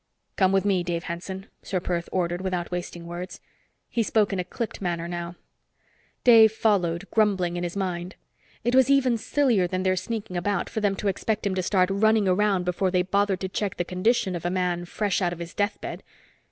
"Come with me, Dave Hanson," Ser Perth ordered, without wasting words. He spoke in a clipped manner now. Dave followed, grumbling in his mind. It was even sillier than their sneaking about for them to expect him to start running around before they bothered to check the condition of a man fresh out of his death bed.